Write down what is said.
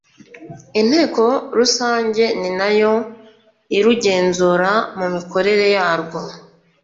inteko rusange ninayo irugenzura mu mikorere yarwo